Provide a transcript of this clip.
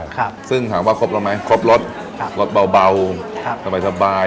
ครับซึ่งถามว่าครบแล้วไหมครบรถครับรถเบาเบาครับสบายสบาย